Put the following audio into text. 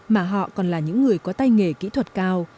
mà họ còn là những người có tay nghề kỹ thuật cao